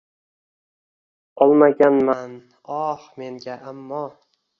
Olmaganman ox menga ammo